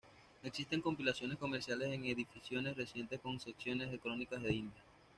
Existen compilaciones comerciales en ediciones recientes con selecciones de crónicas de Indias.